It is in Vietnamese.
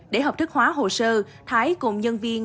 để hợp thức hóa hồ sơ thái cùng nhân viên